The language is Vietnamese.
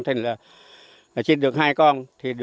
thì được hai mươi hai con